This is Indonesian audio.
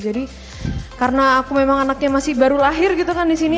jadi karena aku memang anaknya masih baru lahir gitu kan disini